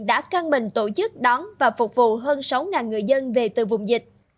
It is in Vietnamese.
đã căng bình tổ chức đón và phục vụ hơn sáu người dân về từ vùng dịch